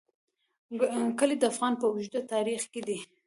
کلي د افغانستان په اوږده تاریخ کې دي.